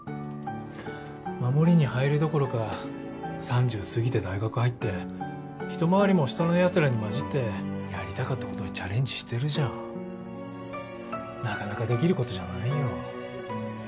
守りに入るどころか３０過ぎて大学入って一回りも下のやつらに交じってやりたかったことにチャレンジしてるじゃんなかなかできることじゃないよ